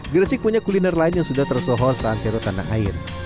gresik punya kuliner lain yang sudah tersohor seantero tanah air